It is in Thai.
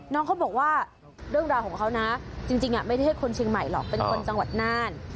น้องเขาบอกว่าเรื่องราวของเขานะจริงไม่ใช่คนเชียงใหม่หรอกเป็นคนจังหวัดน่าน